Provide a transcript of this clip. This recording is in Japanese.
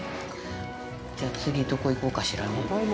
じゃあ、次どこ行こうかしらね。